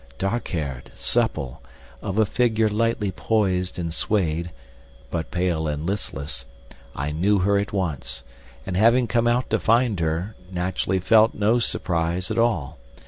Dark haired, supple, of a figure lightly poised and swayed, but pale and listless I knew her at once, and having come out to find her, naturally felt no surprise at all.